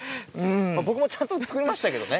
まぁ僕もちゃんと作りましたけどね。